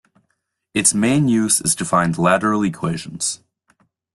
Its main use is to find lateral equations.